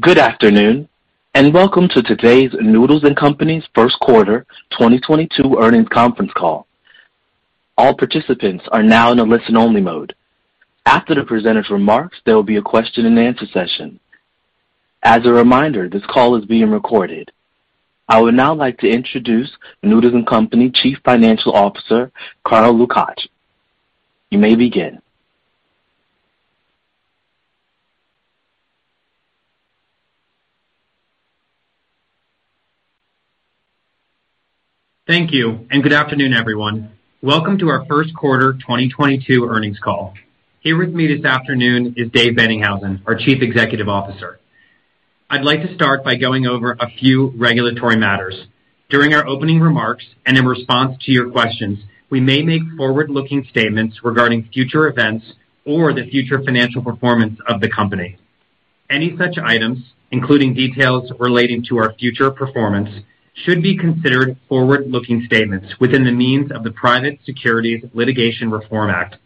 Good afternoon, and welcome to today's Noodles & Company's First Quarter 2022 Earnings conference call. All participants are now in a listen-only mode. After the presented remarks, there will be a question-and-answer session. As a reminder, this call is being recorded. I would now like to introduce Noodles & Company Chief Financial Officer, Carl Lukach. You may begin. Thank you, and good afternoon, everyone. Welcome to our first quarter 2022 earnings call. Here with me this afternoon is Dave Boennighausen, our Chief Executive Officer. I'd like to start by going over a few regulatory matters. During our opening remarks and in response to your questions, we may make forward-looking statements regarding future events or the future financial performance of the company. Any such items, including details relating to our future performance, should be considered forward-looking statements within the meaning of the Private Securities Litigation Reform Act.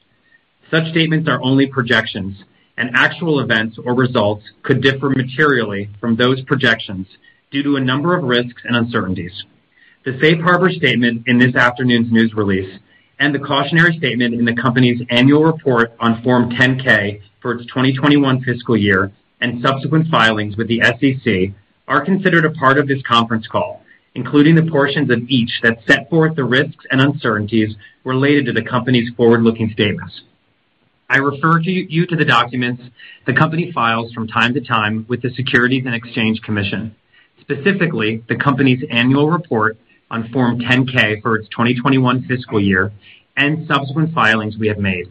Such statements are only projections, and actual events or results could differ materially from those projections due to a number of risks and uncertainties. The safe harbor statement in this afternoon's news release and the cautionary statement in the company's annual report on Form 10-K for its 2021 fiscal year and subsequent filings with the SEC are considered a part of this conference call, including the portions of each that set forth the risks and uncertainties related to the company's forward-looking statements. I refer you to the documents the company files from time to time with the Securities and Exchange Commission, specifically the company's annual report on Form 10-K for its 2021 fiscal year and subsequent filings we have made.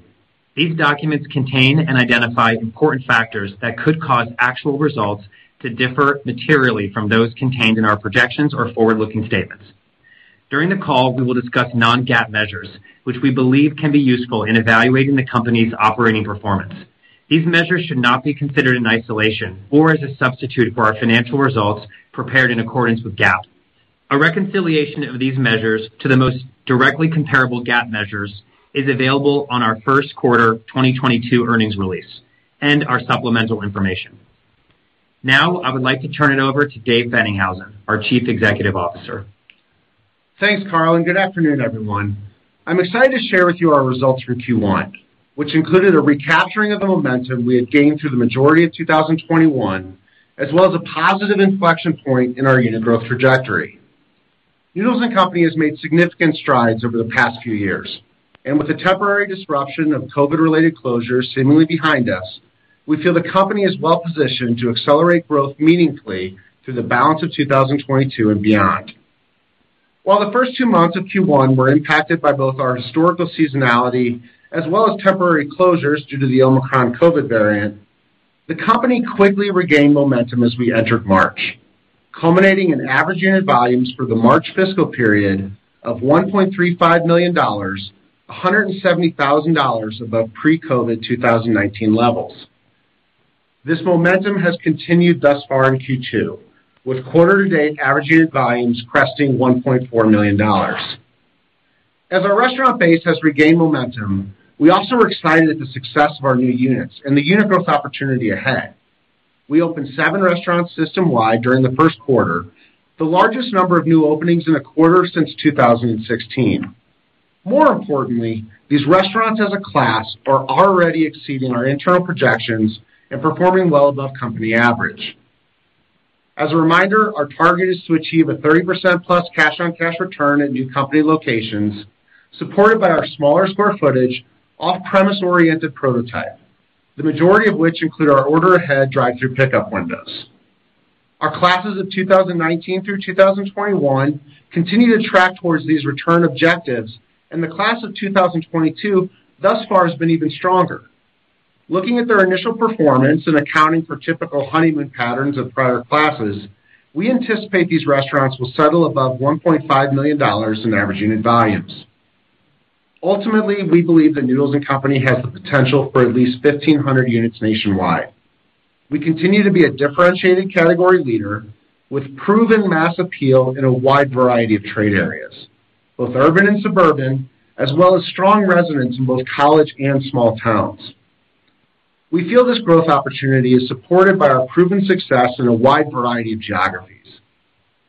These documents contain and identify important factors that could cause actual results to differ materially from those contained in our projections or forward-looking statements. During the call, we will discuss non-GAAP measures, which we believe can be useful in evaluating the company's operating performance. These measures should not be considered in isolation or as a substitute for our financial results prepared in accordance with GAAP. A reconciliation of these measures to the most directly comparable GAAP measures is available on our first quarter 2022 earnings release and our supplemental information. Now, I would like to turn it over to Dave Boennighausen, our Chief Executive Officer. Thanks, Carl, and good afternoon, everyone. I'm excited to share with you our results for Q1, which included a recapturing of the momentum we had gained through the majority of 2021, as well as a positive inflection point in our unit growth trajectory. Noodles & Company has made significant strides over the past few years, and with the temporary disruption of COVID-related closures seemingly behind us, we feel the company is well-positioned to accelerate growth meaningfully through the balance of 2022 and beyond. While the first two months of Q1 were impacted by both our historical seasonality as well as temporary closures due to the Omicron COVID variant, the company quickly regained momentum as we entered March, culminating in average unit volumes for the March fiscal period of $1.35 million, $170,000 above pre-COVID 2019 levels. This momentum has continued thus far in Q2, with quarter to date average unit volumes cresting $1.4 million. As our restaurant base has regained momentum, we also are excited at the success of our new units and the unit growth opportunity ahead. We opened seven restaurants system-wide during the first quarter, the largest number of new openings in a quarter since 2016. More importantly, these restaurants as a class are already exceeding our internal projections and performing well above company average. As a reminder, our target is to achieve a 30%+ cash-on-cash return at new company locations, supported by our smaller square footage, off-premise oriented prototype, the majority of which include our order ahead drive-through pickup windows. Our classes of 2019 through 2021 continue to track towards these return objectives, and the class of 2022 thus far has been even stronger. Looking at their initial performance and accounting for typical honeymoon patterns of prior classes, we anticipate these restaurants will settle above $1.5 million in average unit volumes. Ultimately, we believe that Noodles & Company has the potential for at least 1,500 units nationwide. We continue to be a differentiated category leader with proven mass appeal in a wide variety of trade areas, both urban and suburban, as well as strong resonance in both college and small towns. We feel this growth opportunity is supported by our proven success in a wide variety of geographies.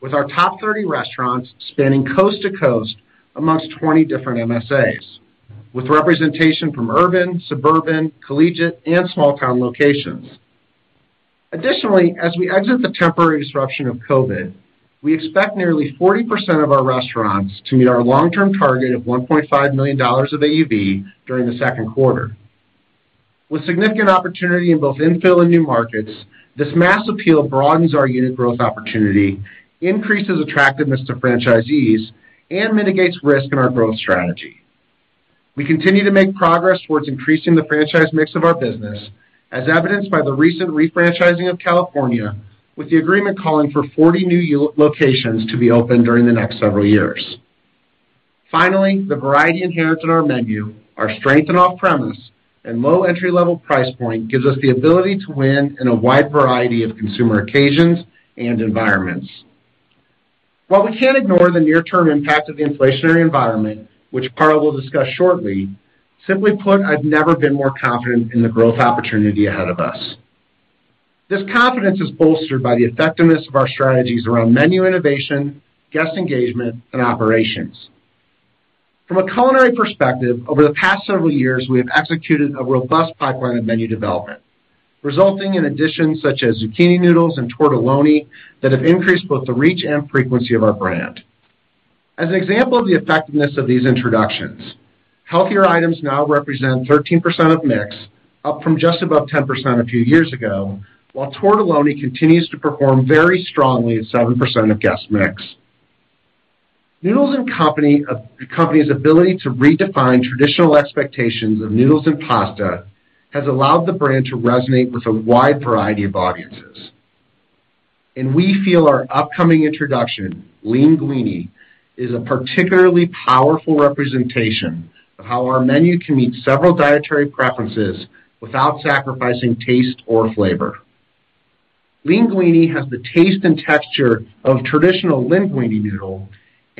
With our top 30 restaurants spanning coast to coast among 20 different MSAs, with representation from urban, suburban, collegiate, and small town locations. Additionally, as we exit the temporary disruption of COVID, we expect nearly 40% of our restaurants to meet our long-term target of $1.5 million of AUV during the second quarter. With significant opportunity in both infill and new markets, this mass appeal broadens our unit growth opportunity, increases attractiveness to franchisees, and mitigates risk in our growth strategy. We continue to make progress towards increasing the franchise mix of our business, as evidenced by the recent refranchising of California, with the agreement calling for 40 new locations to be opened during the next several years. Finally, the variety inherent in our menu, our strength in off-premise, and low entry-level price point gives us the ability to win in a wide variety of consumer occasions and environments. While we can't ignore the near-term impact of the inflationary environment, which Carl will discuss shortly, simply put, I've never been more confident in the growth opportunity ahead of us. This confidence is bolstered by the effectiveness of our strategies around menu innovation, guest engagement, and operations. From a culinary perspective, over the past several years, we have executed a robust pipeline of menu development, resulting in additions such as zucchini noodles and tortelloni that have increased both the reach and frequency of our brand. As an example of the effectiveness of these introductions, healthier items now represent 13% of mix, up from just above 10% a few years ago, while Tortelloni continues to perform very strongly at 7% of guest mix. Noodles & Company's ability to redefine traditional expectations of noodles and pasta has allowed the brand to resonate with a wide variety of audiences. We feel our upcoming introduction, LEANguini, is a particularly powerful representation of how our menu can meet several dietary preferences without sacrificing taste or flavor. LEANguini has the taste and texture of traditional linguini noodle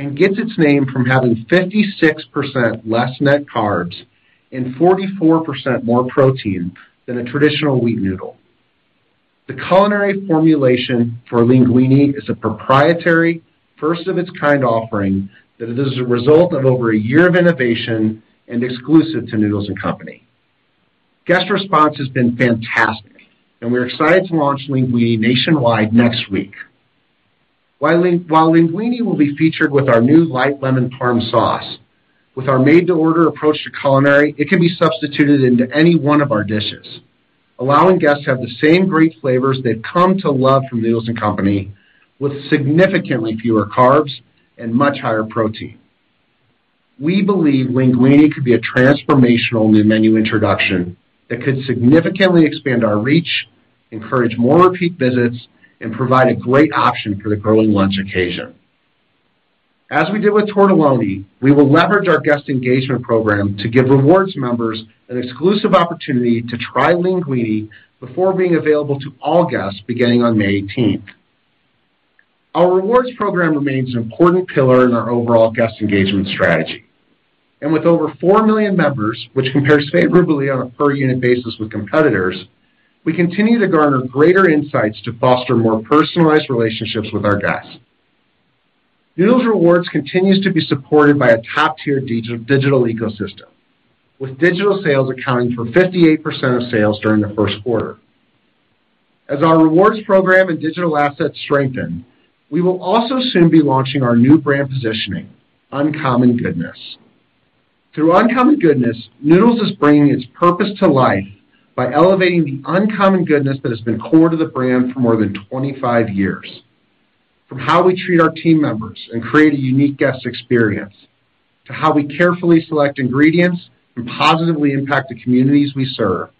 and gets its name from having 56% less net carbs and 44% more protein than a traditional wheat noodle. The culinary formulation for LEANguini is a proprietary, first-of-its-kind offering that is a result of over a year of innovation and exclusive to Noodles & Company. Guest response has been fantastic, and we're excited to launch LEANguini nationwide next week. While LEANguini will be featured with our new light lemon Parmesan sauce, with our made-to-order approach to culinary, it can be substituted into any one of our dishes, allowing guests to have the same great flavors they've come to love from Noodles & Company with significantly fewer carbs and much higher protein. We believe LEANguini could be a transformational new menu introduction that could significantly expand our reach, encourage more repeat visits, and provide a great option for the growing lunch occasion. As we did with Tortelloni, we will leverage our guest engagement program to give rewards members an exclusive opportunity to try LEANguini before being available to all guests beginning on May 18. Our rewards program remains an important pillar in our overall guest engagement strategy. With over four million members, which compares favorably on a per-unit basis with competitors, we continue to garner greater insights to foster more personalized relationships with our guests. Noodles Rewards continues to be supported by a top-tier digital ecosystem, with digital sales accounting for 58% of sales during the first quarter. As our rewards program and digital assets strengthen, we will also soon be launching our new brand positioning, Uncommon Goodness. Through Uncommon Goodness, Noodles & Company is bringing its purpose to life by elevating the uncommon goodness that has been core to the brand for more than 25 years. From how we treat our team members and create a unique guest experience, to how we carefully select ingredients and positively impact the communities we serve,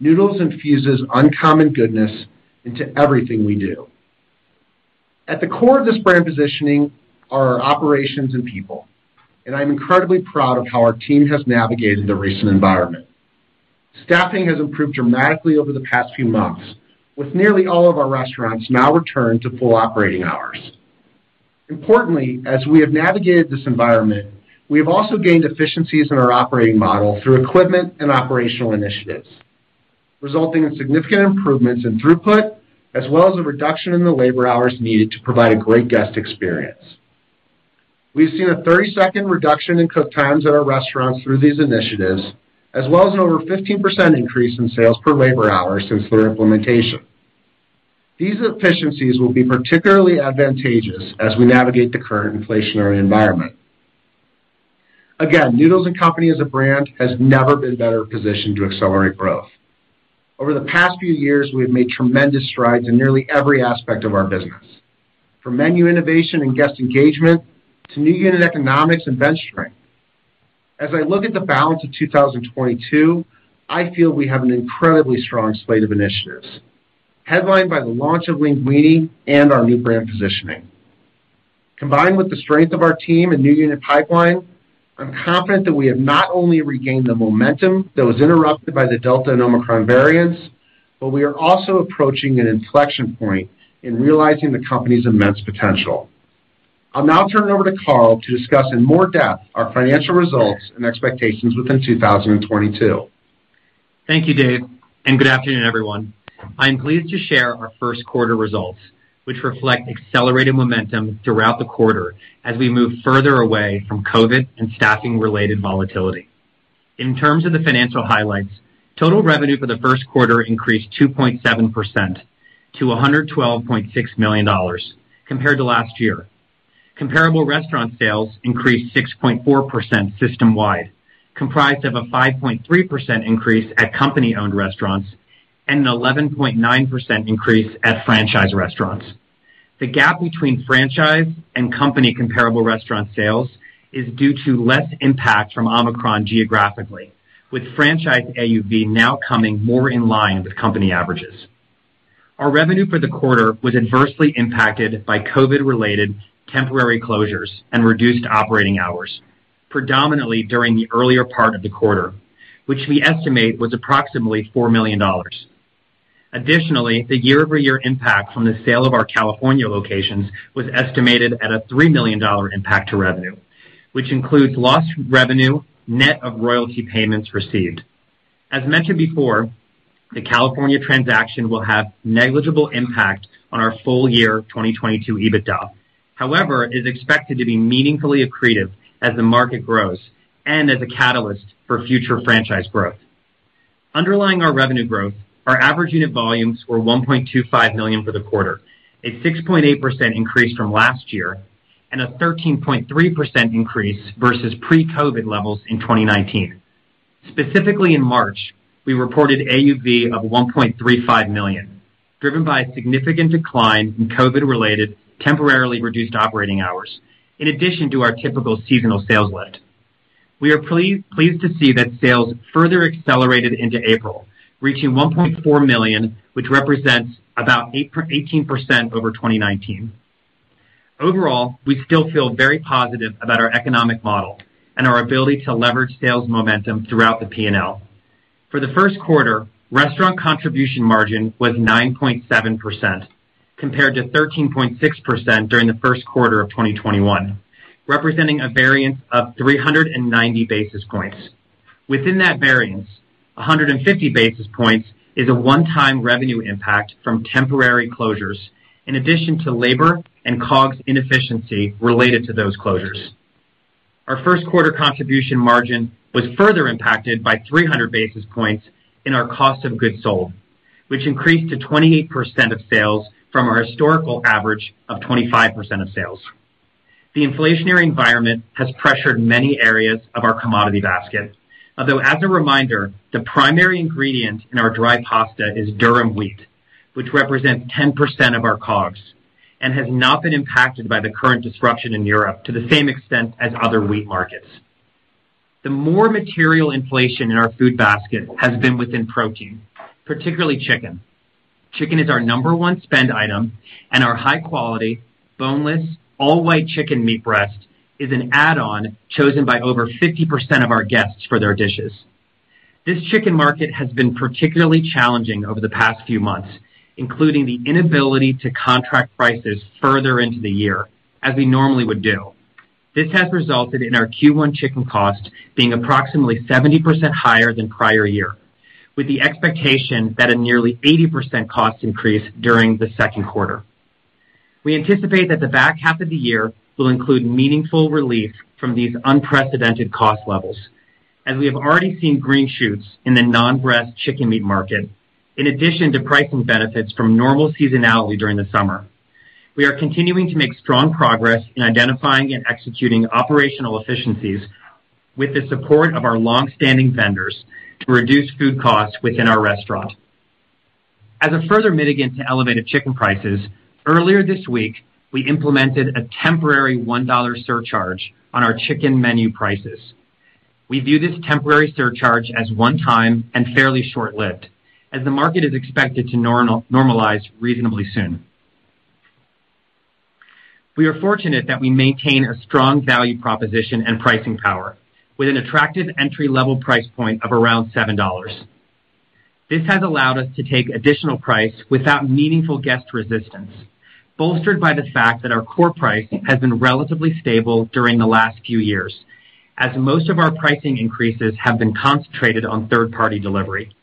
Noodles infuses uncommon goodness into everything we do. At the core of this brand positioning are our operations and people, and I'm incredibly proud of how our team has navigated the recent environment. Staffing has improved dramatically over the past few months, with nearly all of our restaurants now returned to full operating hours. Importantly, as we have navigated this environment, we have also gained efficiencies in our operating model through equipment and operational initiatives, resulting in significant improvements in throughput as well as a reduction in the labor hours needed to provide a great guest experience. We've seen a 30-second reduction in cook times at our restaurants through these initiatives, as well as an over 15% increase in sales per labor hour since their implementation. These efficiencies will be particularly advantageous as we navigate the current inflationary environment. Again, Noodles & Company as a brand has never been better positioned to accelerate growth. Over the past few years, we have made tremendous strides in nearly every aspect of our business, from menu innovation and guest engagement to new unit economics and bench strength. As I look at the balance of 2022, I feel we have an incredibly strong slate of initiatives, headlined by the launch of LEANguini and our new brand positioning. Combined with the strength of our team and new unit pipeline, I'm confident that we have not only regained the momentum that was interrupted by the Delta and Omicron variants, but we are also approaching an inflection point in realizing the company's immense potential. I'll now turn it over to Carl to discuss in more depth our financial results and expectations within 2022. Thank you, Dave, and good afternoon, everyone. I am pleased to share our first quarter results, which reflect accelerated momentum throughout the quarter as we move further away from COVID and staffing-related volatility. In terms of the financial highlights, total revenue for the first quarter increased 2.7% to $112.6 million compared to last year. Comparable restaurant sales increased 6.4% system-wide, comprised of a 5.3% increase at company-owned restaurants and an 11.9% increase at franchise restaurants. The gap between franchise and company comparable restaurant sales is due to less impact from Omicron geographically, with franchise AUV now coming more in line with company averages. Our revenue for the quarter was adversely impacted by COVID-related temporary closures and reduced operating hours, predominantly during the earlier part of the quarter, which we estimate was approximately $4 million. Additionally, the year-over-year impact from the sale of our California locations was estimated at a $3 million impact to revenue, which includes lost revenue net of royalty payments received. As mentioned before, the California transaction will have negligible impact on our full year 2022 EBITDA. However, it is expected to be meaningfully accretive as the market grows and as a catalyst for future franchise growth. Underlying our revenue growth, our average unit volumes were $1.25 million for the quarter, a 6.8% increase from last year, and a 13.3% increase versus pre-COVID levels in 2019. Specifically in March, we reported AUV of $1.35 million, driven by a significant decline in COVID-related temporarily reduced operating hours, in addition to our typical seasonal sales lift. We are pleased to see that sales further accelerated into April, reaching $1.4 million, which represents about 18% over 2019. Overall, we still feel very positive about our economic model and our ability to leverage sales momentum throughout the P&L. For the first quarter, restaurant contribution margin was 9.7% compared to 13.6% during the first quarter of 2021, representing a variance of 390 basis points. Within that variance, 150 basis points is a one-time revenue impact from temporary closures in addition to labor and COGS inefficiency related to those closures. Our first quarter contribution margin was further impacted by 300 basis points in our cost of goods sold, which increased to 28% of sales from our historical average of 25% of sales. The inflationary environment has pressured many areas of our commodity basket, although as a reminder, the primary ingredient in our dry pasta is durum wheat, which represents 10% of our COGS and has not been impacted by the current disruption in Europe to the same extent as other wheat markets. The more material inflation in our food basket has been within protein, particularly chicken. Chicken is our number one spend item, and our high quality, boneless, all-white chicken meat breast is an add-on chosen by over 50% of our guests for their dishes. This chicken market has been particularly challenging over the past few months, including the inability to contract prices further into the year, as we normally would do. This has resulted in our Q1 chicken cost being approximately 70% higher than prior year, with the expectation that a nearly 80% cost increase during the second quarter. We anticipate that the back half of the year will include meaningful relief from these unprecedented cost levels as we have already seen green shoots in the non-breast chicken meat market, in addition to pricing benefits from normal seasonality during the summer. We are continuing to make strong progress in identifying and executing operational efficiencies with the support of our long-standing vendors to reduce food costs within our restaurant. As a further mitigant to elevated chicken prices, earlier this week, we implemented a temporary $1 surcharge on our chicken menu prices. We view this temporary surcharge as one time and fairly short-lived, as the market is expected to normalize reasonably soon. We are fortunate that we maintain a strong value proposition and pricing power with an attractive entry-level price point of around $7. This has allowed us to take additional price without meaningful guest resistance, bolstered by the fact that our core price has been relatively stable during the last few years, as most of our pricing increases have been concentrated on third-party delivery.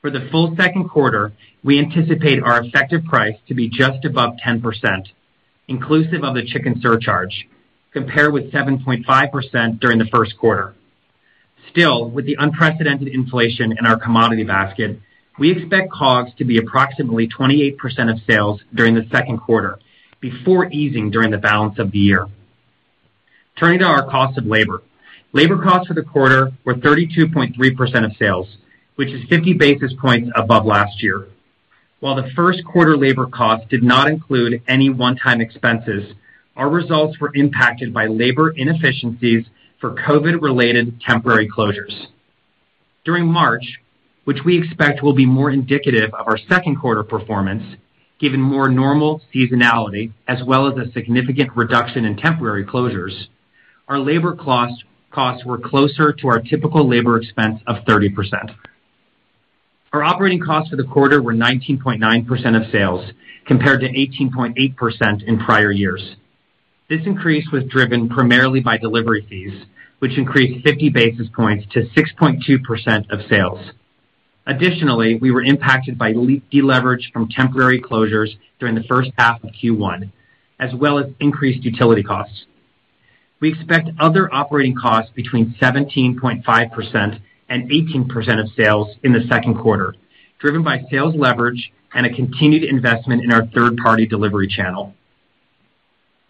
For the full second quarter, we anticipate our effective price to be just above 10%, inclusive of the chicken surcharge, compared with 7.5% during the first quarter. Still, with the unprecedented inflation in our commodity basket, we expect COGS to be approximately 28% of sales during the second quarter before easing during the balance of the year. Turning to our cost of labor. Labor costs for the quarter were 32.3% of sales, which is 50 basis points above last year. While the first quarter labor cost did not include any one-time expenses, our results were impacted by labor inefficiencies for COVID-related temporary closures. During March, which we expect will be more indicative of our second quarter performance, given more normal seasonality as well as a significant reduction in temporary closures, our labor costs were closer to our typical labor expense of 30%. Our operating costs for the quarter were 19.9% of sales, compared to 18.8% in prior years. This increase was driven primarily by delivery fees, which increased 50 basis points to 6.2% of sales. Additionally, we were impacted by deleverage from temporary closures during the first half of Q1, as well as increased utility costs. We expect other operating costs between 17.5% and 18% of sales in the second quarter, driven by sales leverage and a continued investment in our third-party delivery channel.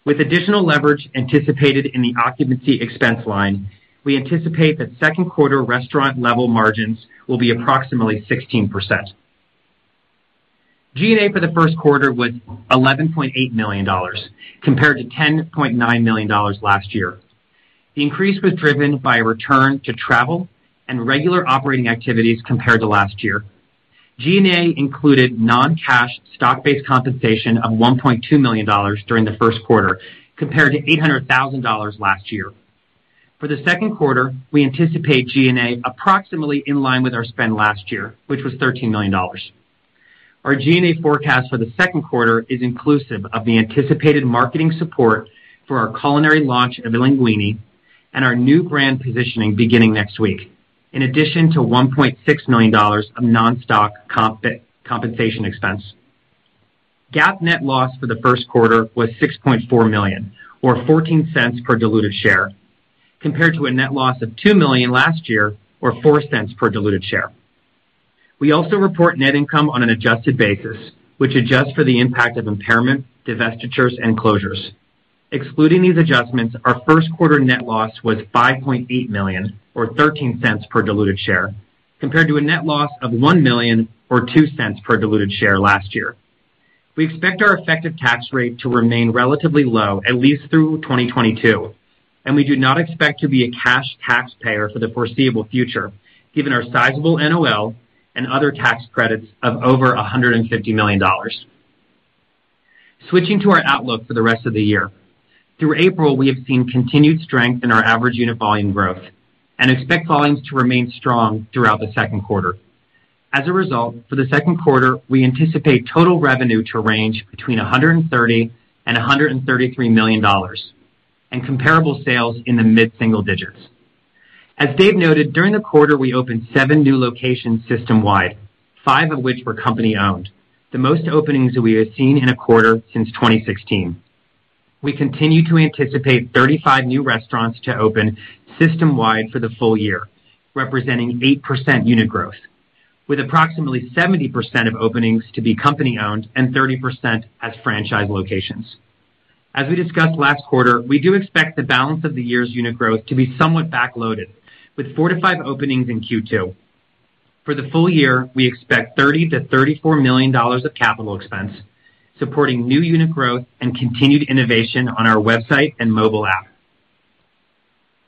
With additional leverage anticipated in the occupancy expense line, we anticipate that second quarter restaurant level margins will be approximately 16%. G&A for the first quarter was $11.8 million, compared to $10.9 million last year. The increase was driven by a return to travel and regular operating activities compared to last year. G&A included non-cash stock-based compensation of $1.2 million during the first quarter, compared to $800,000 last year. For the second quarter, we anticipate G&A approximately in line with our spend last year, which was $13 million. Our G&A forecast for the second quarter is inclusive of the anticipated marketing support for our culinary launch of LEANguini and our new brand positioning beginning next week, in addition to $1.6 million of non-stock compensation expense. GAAP net loss for the first quarter was $6.4 million, or $0.14 per diluted share, compared to a net loss of $2 million last year, or $0.04 per diluted share. We also report net income on an adjusted basis, which adjusts for the impact of impairment, divestitures, and closures. Excluding these adjustments, our first quarter net loss was $5.8 million or $0.13 per diluted share, compared to a net loss of $1 million or $0.02 per diluted share last year. We expect our effective tax rate to remain relatively low at least through 2022, and we do not expect to be a cash taxpayer for the foreseeable future given our sizable NOL and other tax credits of over $150 million. Switching to our outlook for the rest of the year. Through April, we have seen continued strength in our average unit volume growth and expect volumes to remain strong throughout the second quarter. As a result, for the second quarter, we anticipate total revenue to range between $130 million and $133 million and comparable sales in the mid-single digits. As Dave noted, during the quarter, we opened seven new locations system-wide, five of which were company-owned, the most openings we have seen in a quarter since 2016. We continue to anticipate 35 new restaurants to open system-wide for the full year, representing 8% unit growth, with approximately 70% of openings to be company-owned and 30% as franchise locations. As we discussed last quarter, we do expect the balance of the year's unit growth to be somewhat back-loaded, with four to five openings in Q2. For the full year, we expect $30 milion-$34 million of capital expense, supporting new unit growth and continued innovation on our website and mobile app.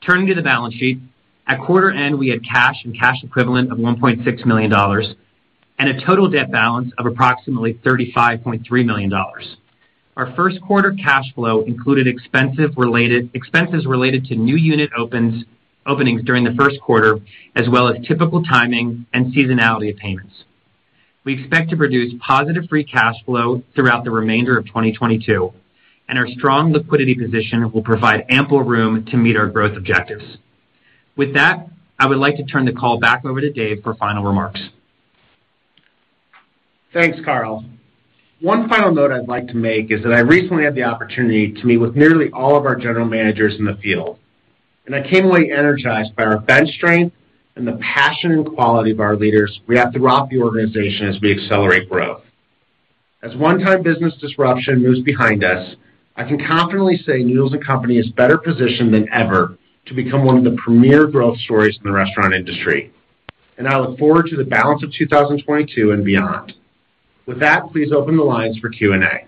Turning to the balance sheet. At quarter end, we had cash and cash equivalent of $1.6 million and a total debt balance of approximately $35.3 million. Our first quarter cash flow included expenses related to new unit openings during the first quarter, as well as typical timing and seasonality of payments. We expect to produce positive free cash flow throughout the remainder of 2022, and our strong liquidity position will provide ample room to meet our growth objectives. With that, I would like to turn the call back over to Dave for final remarks. Thanks, Carl. One final note I'd like to make is that I recently had the opportunity to meet with nearly all of our general managers in the field, and I came away energized by our bench strength and the passion and quality of our leaders we have throughout the organization as we accelerate growth. As one-time business disruption moves behind us, I can confidently say Noodles & Company is better positioned than ever to become one of the premier growth stories in the restaurant industry, and I look forward to the balance of 2022 and beyond. With that, please open the lines for Q&A.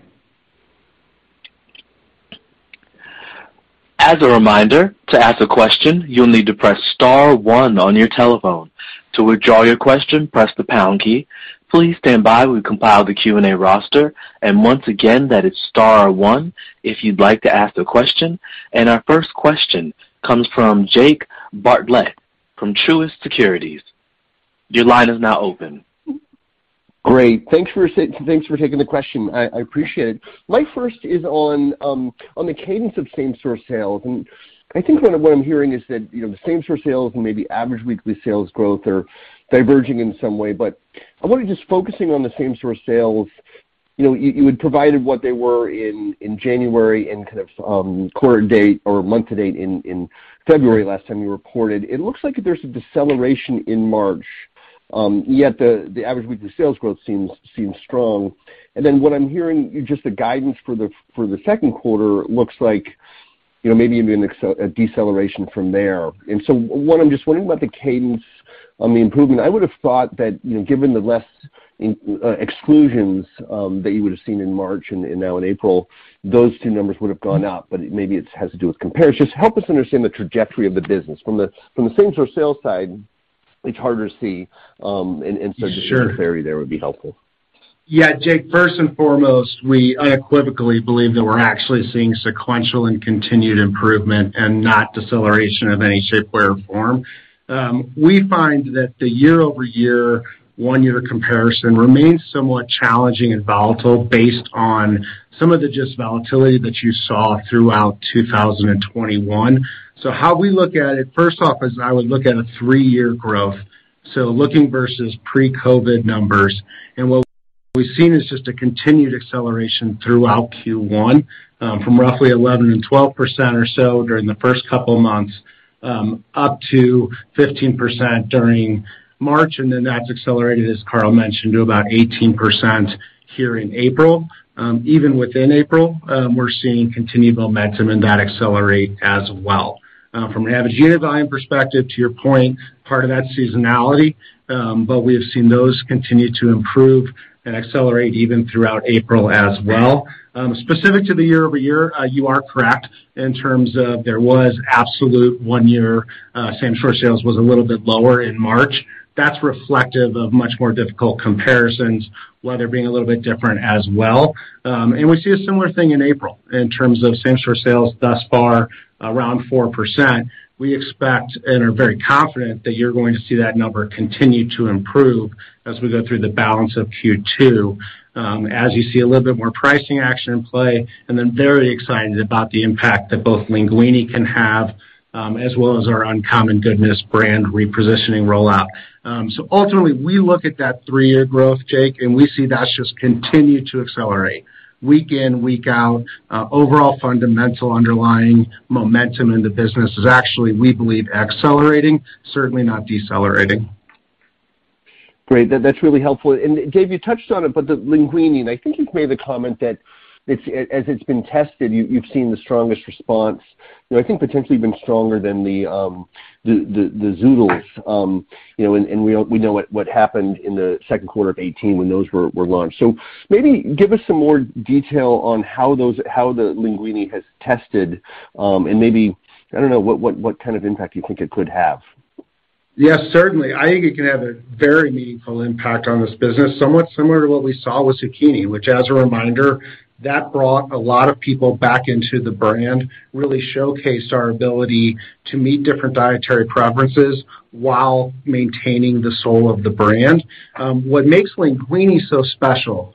As a reminder, to ask a question, you'll need to press star one on your telephone. To withdraw your question, press the pound key. Please stand by. We compile the Q&A roster, and once again, that is star one if you'd like to ask a question. Our first question comes from Jake Bartlett from Truist Securities. Your line is now open. Great. Thanks for taking the question. I appreciate it. My first is on the cadence of same-store sales. I think kind of what I'm hearing is that, you know, the same-store sales and maybe average weekly sales growth are diverging in some way. But I want to just focusing on the same-store sales. You know, you had provided what they were in January and kind of quarter date or month-to-date in February last time you reported. It looks like there's a deceleration in March yet the average weekly sales growth seems strong. Then what I'm hearing just the guidance for the second quarter looks like, you know, maybe even a deceleration from there. What I'm just wondering about the cadence on the improvement. I would have thought that, you know, given the less exclusions, that you would have seen in March and now in April, those two numbers would have gone up, but maybe it has to do with comparisons. Just help us understand the trajectory of the business. From the same-store sales side, it's harder to see. Sure. Just some clarity there would be helpful. Yeah, Jake, first and foremost, we unequivocally believe that we're actually seeing sequential and continued improvement and not deceleration of any shape, way, or form. We find that the year-over-year one-year comparison remains somewhat challenging and volatile based on some of the just volatility that you saw throughout 2021. How we look at it, first off, is I would look at a three-year growth, so looking versus pre-COVID numbers. What we've seen is just a continued acceleration throughout Q1, from roughly 11% and 12% or so during the first couple of months, up to 15% during March. Then that's accelerated, as Carl mentioned, to about 18% here in April. Even within April, we're seeing continued momentum and that accelerate as well. From an average unit volume perspective, to your point, part of that seasonality, but we have seen those continue to improve and accelerate even throughout April as well. Specific to the year-over-year, you are correct in terms of there was absolute one-year, same-store sales was a little bit lower in March. That's reflective of much more difficult comparisons, weather being a little bit different as well. We see a similar thing in April in terms of same-store sales thus far around 4%. We expect and are very confident that you're going to see that number continue to improve as we go through the balance of Q2, as you see a little bit more pricing action in play, and then very excited about the impact that both LEANguini can have, as well as our Uncommon Goodness brand repositioning rollout. Ultimately, we look at that three-year growth, Jake, and we see that's just continued to accelerate week in, week out. Overall fundamental underlying momentum in the business is actually, we believe, accelerating, certainly not decelerating. Great. That's really helpful. Dave, you touched on it, but the LEANguini, I think you've made the comment that it's, as it's been tested, you've seen the strongest response, you know, I think potentially been stronger than the Zoodles. You know, we know what happened in the second quarter of 2018 when those were launched. Maybe give us some more detail on how the LEANguini has tested, and maybe, I don't know, what kind of impact you think it could have. Yes, certainly. I think it can have a very meaningful impact on this business, somewhat similar to what we saw with zucchini, which, as a reminder, that brought a lot of people back into the brand, really showcased our ability to meet different dietary preferences while maintaining the soul of the brand. What makes LEANguini so special,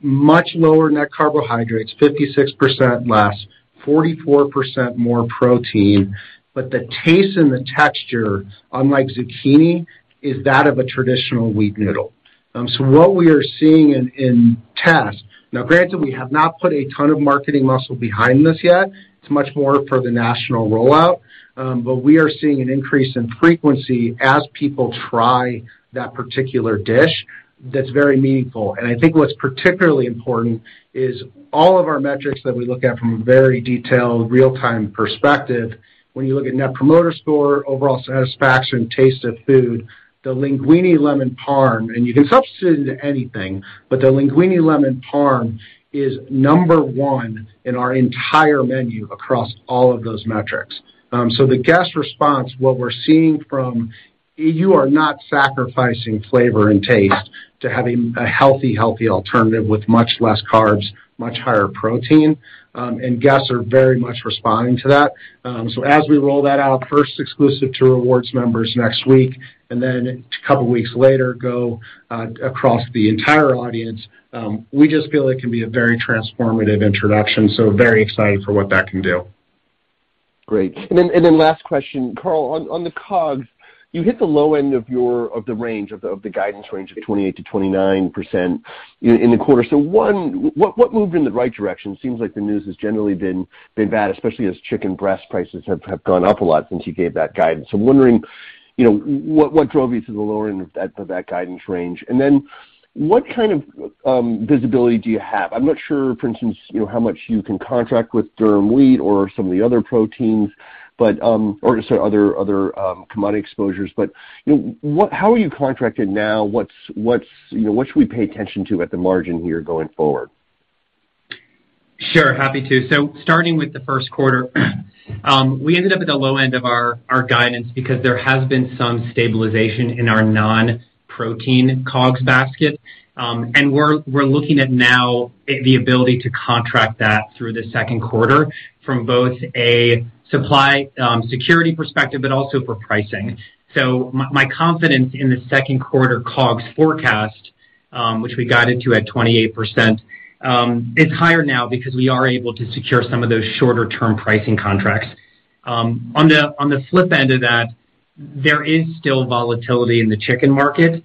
much lower net carbohydrates, 56% less, 44% more protein, but the taste and the texture, unlike zucchini, is that of a traditional wheat noodle. So what we are seeing in tests. Now, granted, we have not put a ton of marketing muscle behind this yet. It's much more for the national rollout. But we are seeing an increase in frequency as people try that particular dish that's very meaningful. I think what's particularly important is all of our metrics that we look at from a very detailed real-time perspective. When you look at Net Promoter Score, overall satisfaction, taste of food, the LEANguini Lemon Parmesan, and you can substitute into anything, but the LEANguini Lemon Parmesan is number one in our entire menu across all of those metrics. The guest response, what we're seeing from you, are not sacrificing flavor and taste to having a healthy alternative with much less carbs, much higher protein, and guests are very much responding to that. As we roll that out first, exclusive to rewards members next week, and then a couple weeks later go across the entire audience, we just feel it can be a very transformative introduction. Very excited for what that can do. Great. Then last question, Carl, on the COGS, you hit the low end of the guidance range of 28%-29% in the quarter. What moved in the right direction? Seems like the news has generally been bad, especially as chicken breast prices have gone up a lot since you gave that guidance. I'm wondering, you know, what drove you to the lower end of that guidance range? Then what kind of visibility do you have? I'm not sure, for instance, you know, how much you can contract with durum wheat or some of the other proteins, but, or sorry, other commodity exposures. You know, how are you contracted now? What's, you know, what should we pay attention to at the margin here going forward? Sure. Happy to. Starting with the first quarter, we ended up at the low end of our guidance because there has been some stabilization in our non-protein COGS basket. We're looking at now the ability to contract that through the second quarter from both a supply security perspective, but also for pricing. My confidence in the second quarter COGS forecast, which we guided to at 28%, it's higher now because we are able to secure some of those shorter term pricing contracts. On the flip end of that, there is still volatility in the chicken market.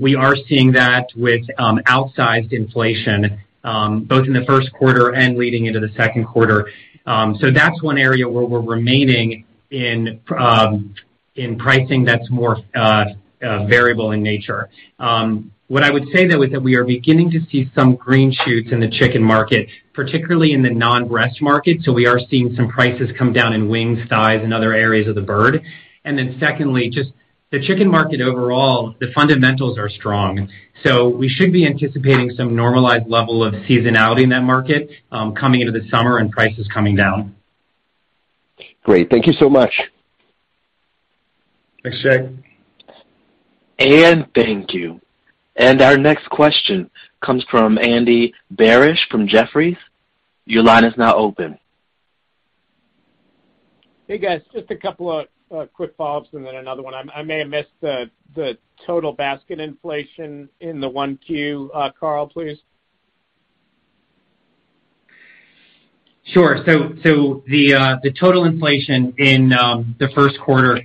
We are seeing that with outsized inflation, both in the first quarter and leading into the second quarter. That's one area where we're remaining in pricing that's more variable in nature. What I would say, though, is that we are beginning to see some green shoots in the chicken market, particularly in the non-breast market. We are seeing some prices come down in wings, thighs, and other areas of the bird. Secondly, just the chicken market overall, the fundamentals are strong. We should be anticipating some normalized level of seasonality in that market, coming into the summer and prices coming down. Great. Thank you so much. Thanks, Jake. Thank you. Our next question comes from Andy Barish from Jefferies. Your line is now open. Hey, guys, just a couple of quick follows and then another one. I may have missed the total basket inflation in the 1Q, Carl, please? Sure. The total inflation in the first quarter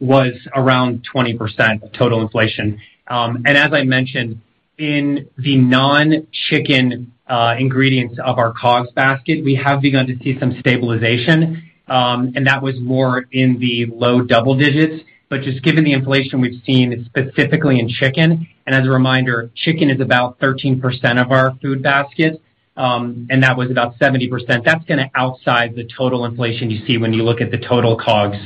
was around 20% total inflation. As I mentioned, in the non-chicken ingredients of our COGS basket, we have begun to see some stabilization, and that was more in the low double digits. Just given the inflation we've seen specifically in chicken, and as a reminder, chicken is about 13% of our food basket, and that was about 70%. That's gonna outside the total inflation you see when you look at the total COGS.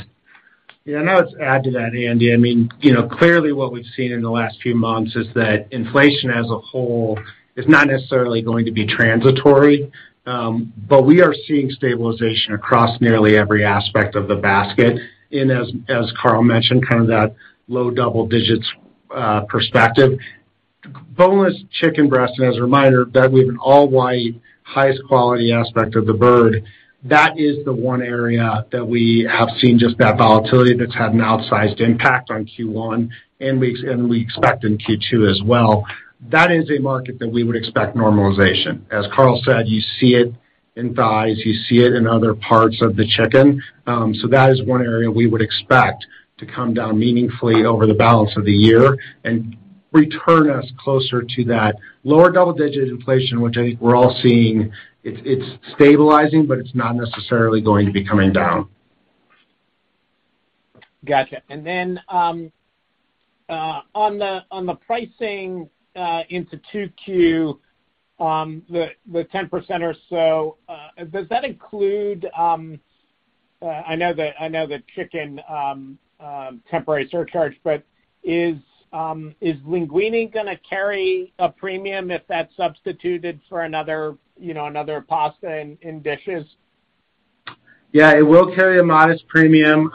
Yeah. I'll just add to that, Andy. I mean, you know, clearly what we've seen in the last few months is that inflation as a whole is not necessarily going to be transitory, but we are seeing stabilization across nearly every aspect of the basket in, as Carl mentioned, kind of that low double digits perspective. Boneless chicken breast, and as a reminder, that we have an all-white, highest quality aspect of the bird, that is the one area that we have seen just that volatility that's had an outsized impact on Q1 and we expect in Q2 as well. That is a market that we would expect normalization. As Carl said, you see it in thighs, you see it in other parts of the chicken. That is one area we would expect to come down meaningfully over the balance of the year and return us closer to that lower double-digit inflation, which I think we're all seeing. It's stabilizing, but it's not necessarily going to be coming down. Gotcha. On the pricing into 2Q, the 10% or so, does that include the chicken temporary surcharge, but is LEANguini gonna carry a premium if that's substituted for another, you know, another pasta in dishes? Yeah, it will carry a modest premium.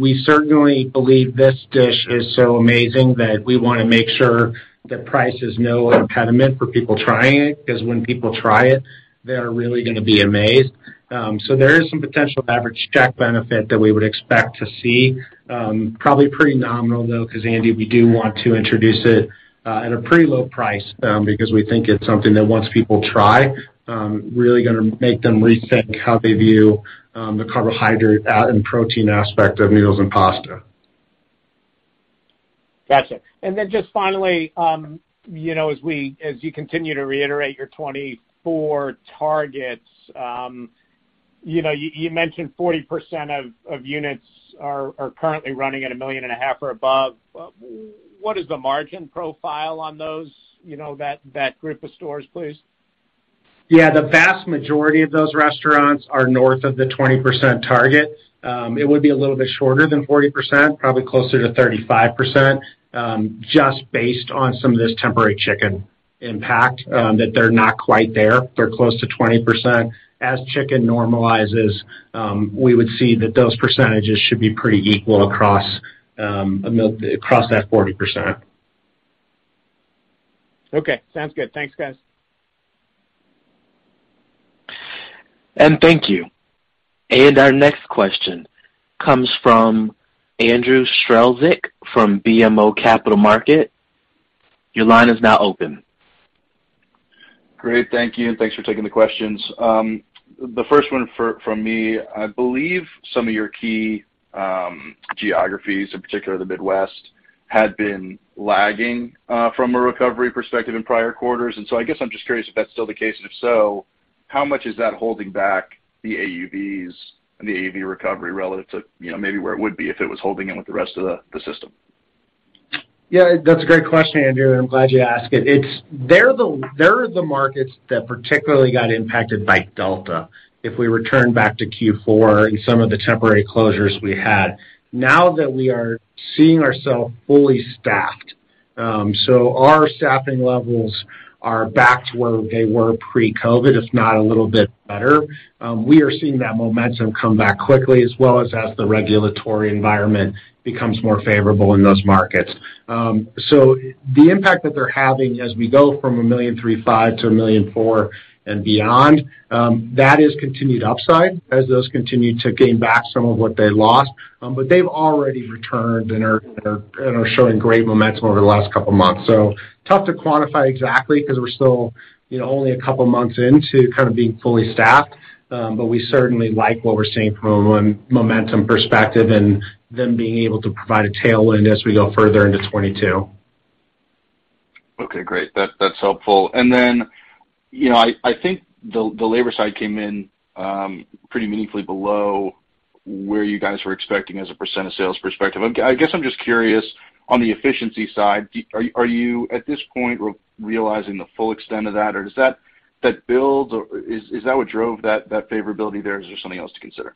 We certainly believe this dish is so amazing that we wanna make sure that price is no impediment for people trying it, because when people try it, they are really gonna be amazed. There is some potential average check benefit that we would expect to see, probably pretty nominal though, because Andy, we do want to introduce it at a pretty low price, because we think it's something that once people try, really gonna make them rethink how they view the carbohydrate and protein aspect of meals and pasta. Gotcha. Then just finally, you know, as you continue to reiterate your 24 targets, you know, you mentioned 40% of units are currently running at $1.5 million or above. What is the margin profile on those, you know, that group of stores, please? Yeah. The vast majority of those restaurants are north of the 20% target. It would be a little bit shorter than 40%, probably closer to 35%, just based on some of this temporary chicken impact, that they're not quite there. They're close to 20%. As chicken normalizes, we would see that those percentages should be pretty equal across that 40%. Okay, sounds good. Thanks, guys. Thank you. Our next question comes from Andrew Strelzik from BMO Capital Markets. Your line is now open. Great. Thank you, and thanks for taking the questions. The first one from me, I believe some of your key geographies, in particular the Midwest, had been lagging from a recovery perspective in prior quarters. I guess I'm just curious if that's still the case. And if so, how much is that holding back the AUVs and the AUV recovery relative to, you know, maybe where it would be if it was holding in with the rest of the system? Yeah, that's a great question, Andrew, and I'm glad you asked it. They're the markets that particularly got impacted by Delta if we return back to Q4 and some of the temporary closures we had. Now that we are seeing ourselves fully staffed, our staffing levels are back to where they were pre-COVID, if not a little bit better, we are seeing that momentum come back quickly as well as the regulatory environment becomes more favorable in those markets. So the impact that they're having as we go from $1.35 million to $1.4 million and beyond, that is continued upside as those continue to gain back some of what they lost. They've already returned and are showing great momentum over the last couple of months. Tough to quantify exactly because we're still, you know, only a couple of months into kind of being fully staffed. We certainly like what we're seeing from a momentum perspective and them being able to provide a tailwind as we go further into 2022. Okay, great. That's helpful. You know, I think the labor side came in pretty meaningfully below where you guys were expecting as a percent of sales perspective. I guess I'm just curious on the efficiency side, are you at this point realizing the full extent of that? Or does that build or is that what drove that favorability there? Is there something else to consider?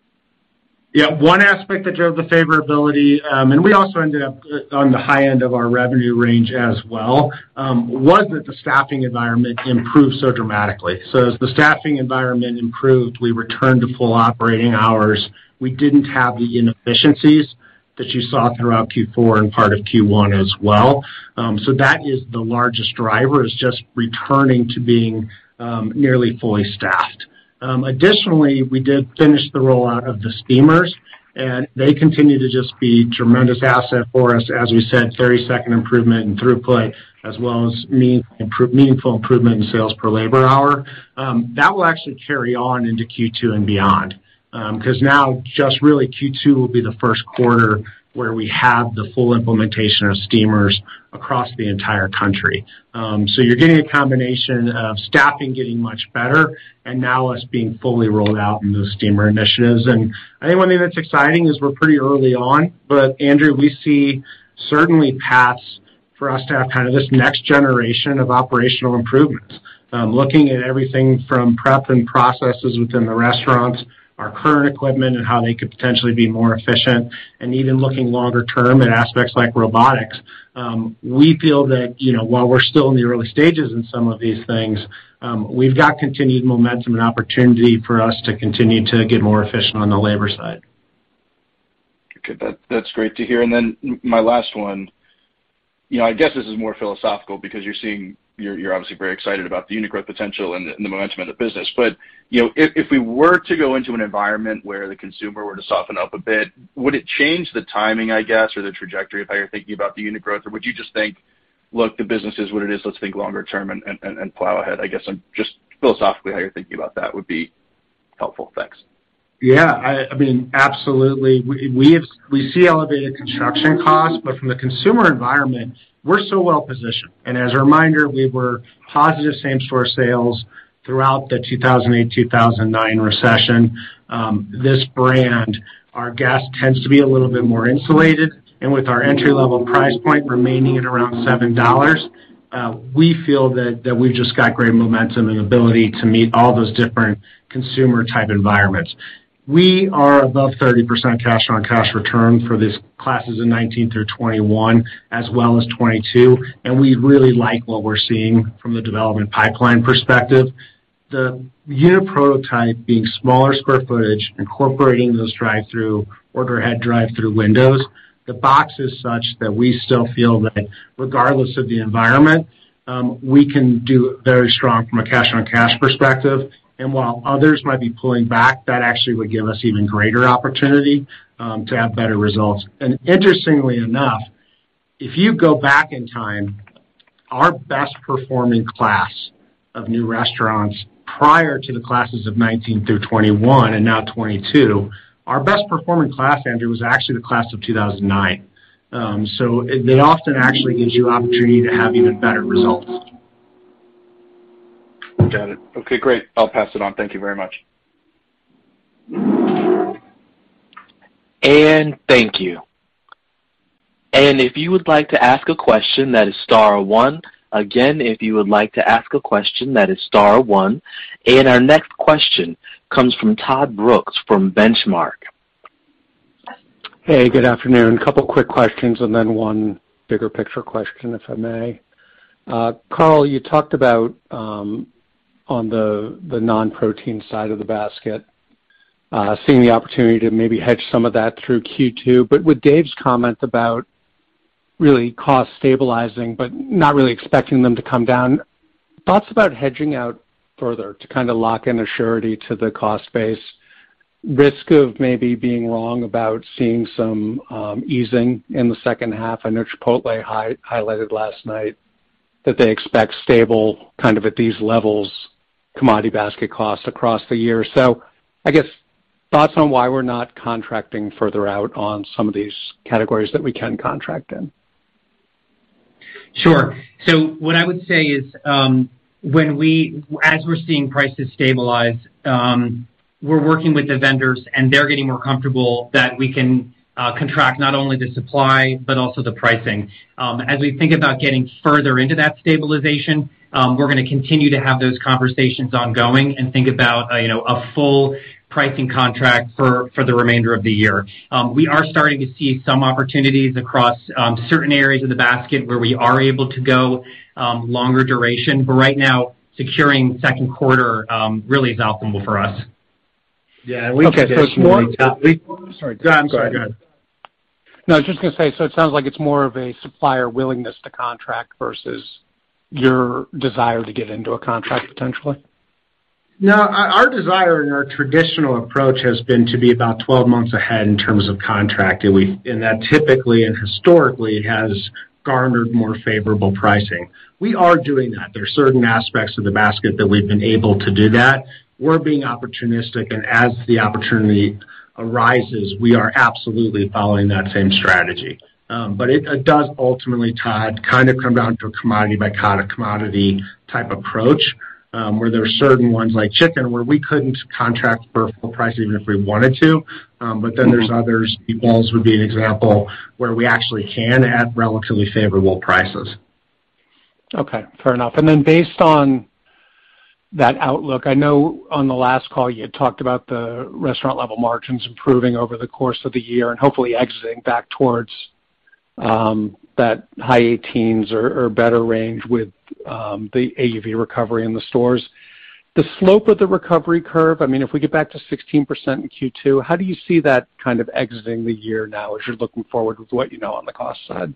Yeah. One aspect that drove the favorability, and we also ended up on the high end of our revenue range as well, was that the staffing environment improved so dramatically. As the staffing environment improved, we returned to full operating hours. We didn't have the inefficiencies that you saw throughout Q4 and part of Q1 as well. That is the largest driver is just returning to being, nearly fully staffed. Additionally, we did finish the rollout of the steamers, and they continue to just be tremendous asset for us, as we said, very significant improvement in throughput, as well as meaningful improvement in sales per labor hour. That will actually carry on into Q2 and beyond. Because now just really Q2 will be the first quarter where we have the full implementation of steamers across the entire country. You're getting a combination of staffing getting much better and now us being fully rolled out in those steamer initiatives. I think one thing that's exciting is we're pretty early on, but Andrew, we certainly see paths for us to have kind of this next generation of operational improvements, looking at everything from prep and processes within the restaurants, our current equipment and how they could potentially be more efficient, and even looking longer term at aspects like robotics. We feel that, you know, while we're still in the early stages in some of these things, we've got continued momentum and opportunity for us to continue to get more efficient on the labor side. Okay. That's great to hear. Then my last one, you know, I guess this is more philosophical because you're obviously very excited about the unit growth potential and the momentum of the business. You know, if we were to go into an environment where the consumer were to soften up a bit, would it change the timing, I guess, or the trajectory of how you're thinking about the unit growth? Or would you just think, "Look, the business is what it is. Let's think longer term and plow ahead." I guess I'm just philosophically how you're thinking about that would be helpful. Thanks. Yeah, I mean, absolutely. We see elevated construction costs, but from the consumer environment, we're so well-positioned. As a reminder, we were positive same-store sales throughout the 2008, 2009 recession. This brand, our guest tends to be a little bit more insulated. With our entry-level price point remaining at around $7, we feel that we've just got great momentum and ability to meet all those different consumer type environments. We are above 30% cash-on-cash return for these classes in 2019 through 2021 as well as 2022, and we really like what we're seeing from the development pipeline perspective. The unit prototype being smaller square footage, incorporating those drive-through, order ahead-drive-through windows. The box is such that we still feel that regardless of the environment, we can do very strong from a cash-on-cash perspective. While others might be pulling back, that actually would give us even greater opportunity to have better results. Interestingly enough, if you go back in time, our best performing class of new restaurants prior to the classes of 2019 through 2021 and now 2022, our best performing class, Andrew, was actually the class of 2009. So it often actually gives you opportunity to have even better results. Got it. Okay, great. I'll pass it on. Thank you very much. Thank you. If you would like to ask a question, that is star one. Again, if you would like to ask a question, that is star one. Our next question comes from Todd Brooks, from Benchmark. Hey, good afternoon. A couple quick questions and then one bigger picture question, if I may. Carl, you talked about, on the non-protein side of the basket, seeing the opportunity to maybe hedge some of that through Q2. With Dave's comment about really cost stabilizing but not really expecting them to come down, thoughts about hedging out further to kinda lock in a certainty to the cost base risk of maybe being wrong about seeing some easing in the second half. I know Chipotle highlighted last night that they expect stable, kind of at these levels, commodity basket costs across the year. I guess thoughts on why we're not contracting further out on some of these categories that we can contract in. Sure. What I would say is, as we're seeing prices stabilize, we're working with the vendors, and they're getting more comfortable that we can contract not only the supply but also the pricing. As we think about getting further into that stabilization, we're gonna continue to have those conversations ongoing and think about, you know, a full pricing contract for the remainder of the year. We are starting to see some opportunities across certain areas of the basket where we are able to go longer duration. Right now, securing second quarter really is optimal for us. Yeah. Okay. It's more- Sorry. Go ahead. Go ahead. ... No, I was just gonna say, so it sounds like it's more of a supplier willingness to contract versus your desire to get into a contract potentially. No, our desire and our traditional approach has been to be about 12 months ahead in terms of contract. That typically and historically has garnered more favorable pricing. We are doing that. There are certain aspects of the basket that we've been able to do that. We're being opportunistic, and as the opportunity arises, we are absolutely following that same strategy. It does ultimately, Todd, kind of come down to a commodity by commodity type approach, where there are certain ones like chicken, where we couldn't contract for a full price even if we wanted to. There's others, meatballs would be an example, where we actually can at relatively favorable prices. Okay, fair enough. Based on that outlook, I know on the last call, you had talked about the restaurant level margins improving over the course of the year and hopefully exiting back towards that high 18s or better range with the AUV recovery in the stores. The slope of the recovery curve, I mean, if we get back to 16% in Q2, how do you see that kind of exiting the year now as you're looking forward with what you know on the cost side?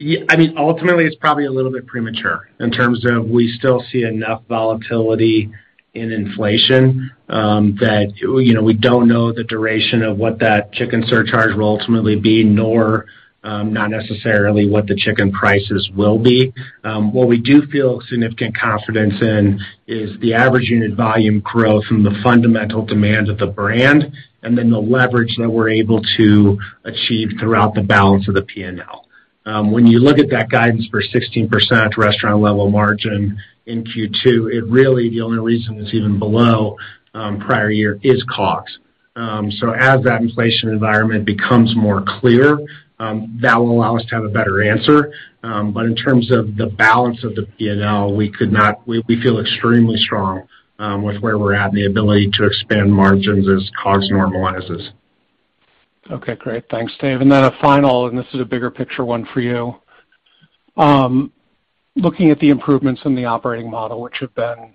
Yeah, I mean, ultimately, it's probably a little bit premature in terms of we still see enough volatility in inflation, that, you know, we don't know the duration of what that chicken surcharge will ultimately be, nor, not necessarily what the chicken prices will be. What we do feel significant confidence in is the average unit volume growth from the fundamental demand of the brand and then the leverage that we're able to achieve throughout the balance of the P&L. When you look at that guidance for 16% restaurant level margin in Q2, it really the only reason it's even below, prior year is cost. As that inflation environment becomes more clear, that will allow us to have a better answer. In terms of the balance of the P&L, we feel extremely strong with where we're at and the ability to expand margins as cost normalizes. Okay, great. Thanks, Dave. Then a final, this is a bigger picture one for you. Looking at the improvements in the operating model, which have been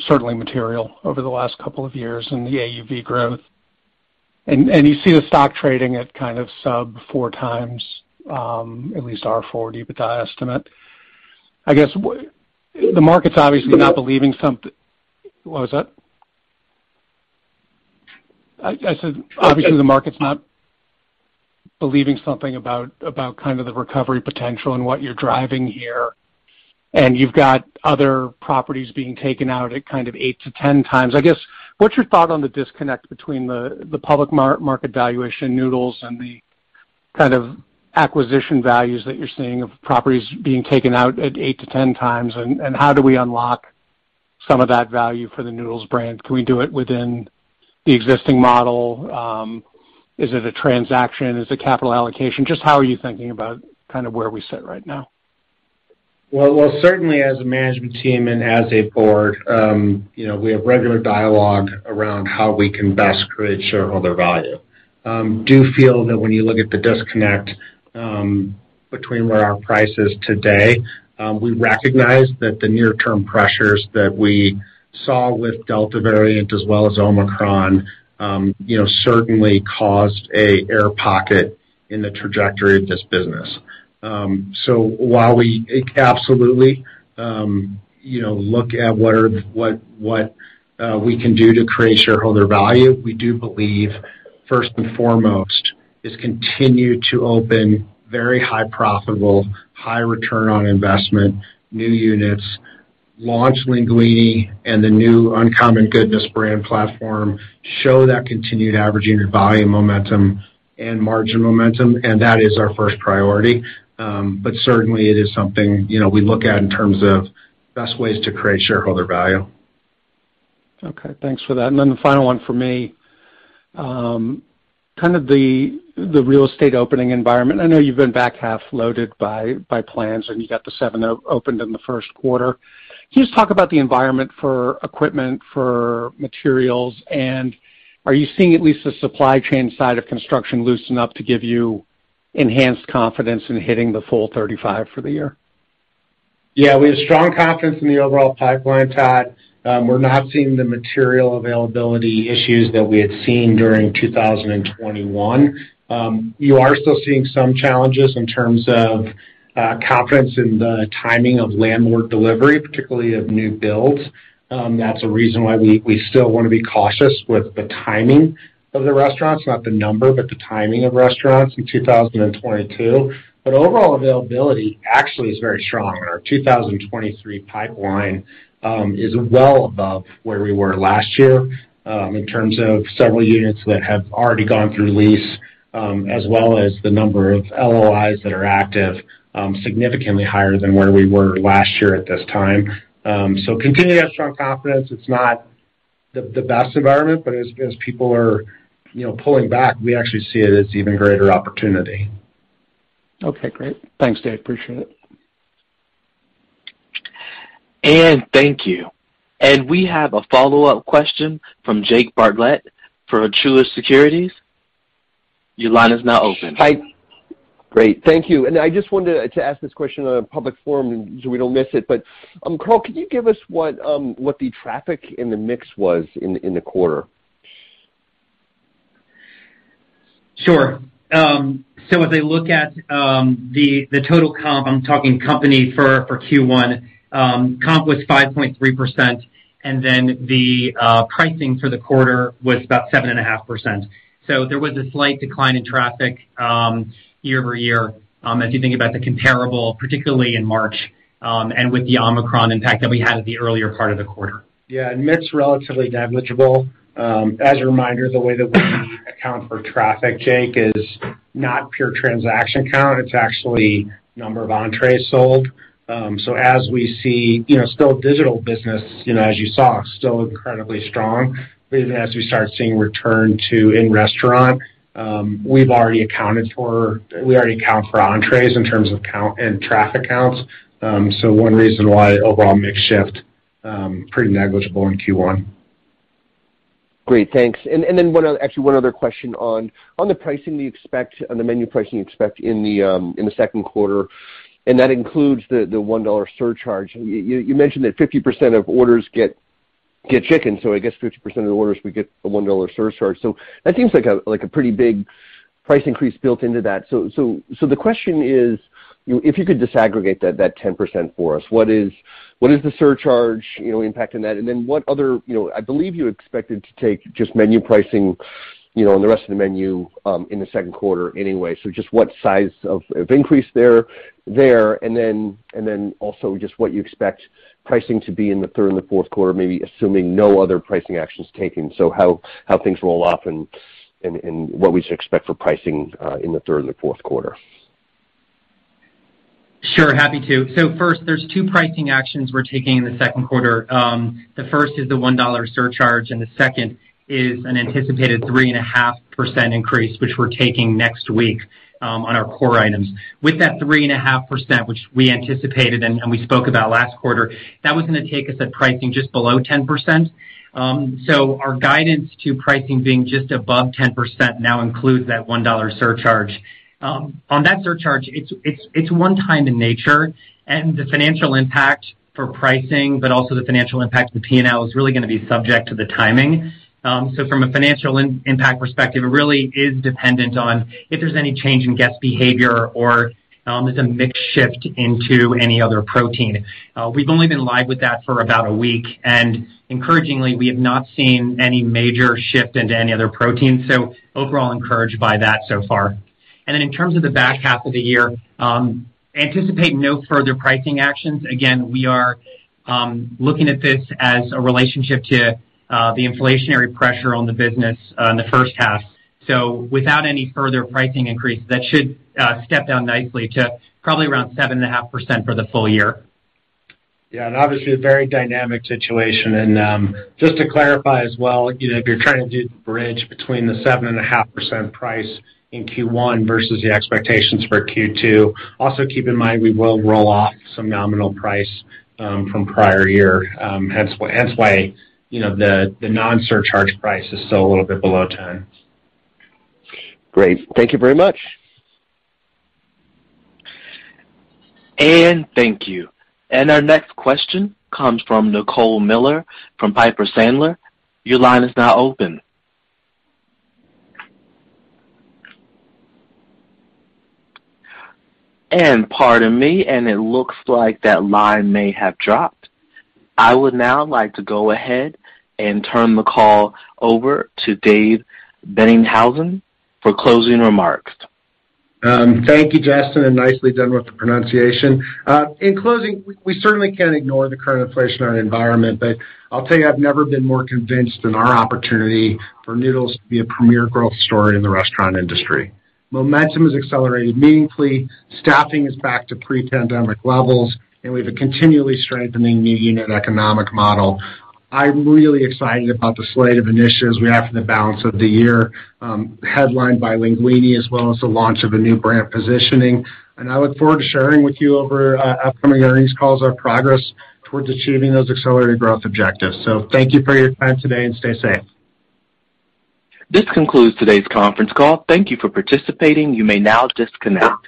certainly material over the last couple of years in the AUV growth. You see the stock trading at kind of sub-4x, at least our forward EBITDA estimate. I guess the market's obviously not believing something. What was that? I said obviously the market's not believing something about kind of the recovery potential and what you're driving here, and you've got other properties being taken out at kind of 8x-10x. I guess, what's your thought on the disconnect between the public market valuation Noodles and the kind of acquisition values that you're seeing of properties being taken out at 8x-10x? How do we unlock some of that value for the Noodles brand? Can we do it within the existing model? Is it a transaction? Is it capital allocation? Just how are you thinking about kind of where we sit right now? Well, certainly as a management team and as a board, you know, we have regular dialogue around how we can best create shareholder value. We do feel that when you look at the disconnect between where our price is today, we recognize that the near term pressures that we saw with Delta variant as well as Omicron, you know, certainly caused an air pocket in the trajectory of this business. While we absolutely, you know, look at what we can do to create shareholder value, we do believe first and foremost is continue to open very high profitable, high return on investment new units, launch LEANguini and the new Uncommon Goodness brand platform, show that continued average unit volume momentum and margin momentum, and that is our first priority. Certainly it is something, you know, we look at in terms of best ways to create shareholder value. Okay. Thanks for that. Then the final one for me, kind of the real estate opening environment. I know you've been back half loaded by plans, and you got the seven opened in the first quarter. Can you just talk about the environment for equipment, for materials, and are you seeing at least the supply chain side of construction loosen up to give you enhanced confidence in hitting the full 35% for the year? Yeah. We have strong confidence in the overall pipeline, Todd. We're not seeing the material availability issues that we had seen during 2021. You are still seeing some challenges in terms of confidence in the timing of landlord delivery, particularly of new builds. That's a reason why we still wanna be cautious with the timing of the restaurants, not the number, but the timing of restaurants in 2022. Overall availability actually is very strong, and our 2023 pipeline is well above where we were last year in terms of several units that have already gone through lease as well as the number of LOIs that are active, significantly higher than where we were last year at this time. Continue to have strong confidence. It's not the best environment, but as people are, you know, pulling back, we actually see it as even greater opportunity. Okay. Great. Thanks, Dave. Appreciate it. Thank you. We have a follow-up question from Jake Bartlett for Truist Securities. Your line is now open. Hi. Great. Thank you. I just wanted to ask this question on a public forum so we don't miss it. Carl, can you give us what the traffic and the mix was in the quarter? Sure. As I look at the total comp, I'm talking company for Q1, comp was 5.3%, and then the pricing for the quarter was about 7.5%. There was a slight decline in traffic year-over-year as you think about the comparable, particularly in March, and with the Omicron impact that we had at the earlier part of the quarter. Yeah. Mix relatively negligible. As a reminder, the way that we account for traffic, Jake, is not pure transaction count. It's actually number of entrees sold. So as we see, you know, still digital business, you know, as you saw, still incredibly strong, but even as we start seeing return to in-restaurant, we already account for entrees in terms of count and traffic counts. One reason why overall mix shift, pretty negligible in Q1. Great. Thanks. Actually one other question on the pricing that you expect on the menu pricing you expect in the second quarter, and that includes the $1 surcharge. You mentioned that 50% of orders get chicken, so I guess 50% of the orders would get a $1 surcharge. That seems like a pretty big price increase built into that. The question is if you could disaggregate that 10% for us, what is the surcharge, you know, impact in that? Then what other. You know, I believe you expected to take just menu pricing, you know, on the rest of the menu in the second quarter anyway. Just what size of increase there, and then also just what you expect pricing to be in the third and the fourth quarter, maybe assuming no other pricing action is taken. How things roll off and what we should expect for pricing in the third and the fourth quarter. Sure. Happy to. First, there's two pricing actions we're taking in the second quarter. The first is the $1 surcharge, and the second is an anticipated 3.5% increase, which we're taking next week, on our core items. With that 3.5%, which we anticipated and we spoke about last quarter, that was gonna take us at pricing just below 10%. Our guidance to pricing being just above 10% now includes that $1 surcharge. On that surcharge, it's one-time in nature, and the financial impact for pricing, but also the financial impact to the P&L is really gonna be subject to the timing. From a financial impact perspective, it really is dependent on if there's any change in guest behavior or there's a mix shift into any other protein. We've only been live with that for about a week, and encouragingly, we have not seen any major shift into any other protein, so overall encouraged by that so far. In terms of the back half of the year, anticipate no further pricing actions. Again, we are looking at this as a relationship to the inflationary pressure on the business in the first half. Without any further pricing increases, that should step down nicely to probably around 7.5% for the full year. Yeah. Obviously a very dynamic situation. Just to clarify as well, you know, if you're trying to do the bridge between the 7.5% price in Q1 versus the expectations for Q2, also keep in mind we will roll off some nominal price from prior year, hence why, you know, the non-surcharge price is still a little bit below 10%. Great. Thank you very much. Thank you. Our next question comes from Nicole Miller from Piper Sandler. Your line is now open. Pardon me, and it looks like that line may have dropped. I would now like to go ahead and turn the call over to Dave Boennighausen for closing remarks. Thank you, Justin, and nicely done with the pronunciation. In closing, we certainly can't ignore the current inflationary environment. I'll tell you I've never been more convinced in our opportunity for Noodles to be a premier growth story in the restaurant industry. Momentum has accelerated meaningfully. Staffing is back to pre-pandemic levels, and we have a continually strengthening unit economic model. I'm really excited about the slate of initiatives we have for the balance of the year, headlined by LEANguini as well as the launch of a new brand positioning. I look forward to sharing with you over upcoming earnings calls our progress towards achieving those accelerated growth objectives. Thank you for your time today, and stay safe. This concludes today's conference call. Thank you for participating. You may now disconnect.